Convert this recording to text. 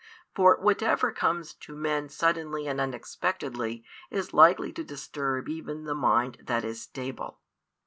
For whatever comes to men suddenly and unexpectedly is likely to disturb even the mind that is stable.